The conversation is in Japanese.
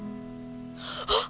あっ！